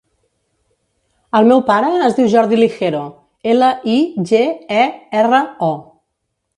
El meu pare es diu Jordi Ligero: ela, i, ge, e, erra, o.